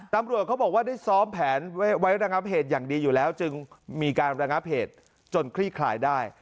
ตำรวจเขาบอกว่าได้ซ้อมแผนไว้ระงับเหตุอย่างดีอยู่แล้วจึงมีการระงับเหตุจนคลี่คลายได้